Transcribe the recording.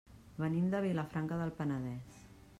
Venim de Vilafranca del Penedès.